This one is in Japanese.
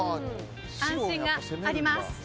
安心があります。